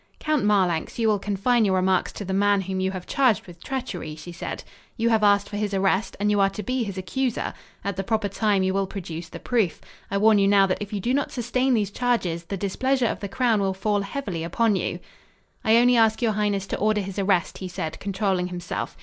"Count Marlanx, you will confine your remarks to the man whom you have charged with treachery," she said. "You have asked for his arrest, and you are to be his accuser. At the proper time you will produce the proof. I warn you now that if you do not sustain these charges, the displeasure of the crown will fall heavily upon you." "I only ask your highness to order his arrest," he said, controlling himself.